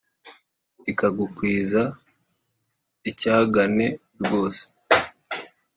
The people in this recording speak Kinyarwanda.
Ikagukwiza icyagane rwose